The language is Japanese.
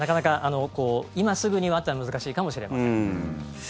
なかなか今すぐには難しいかもしれません。